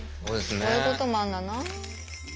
そういうこともあんだな。